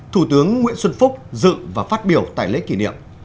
thủ tướng nguyễn xuân phúc dự và phát biểu tại lễ kỷ niệm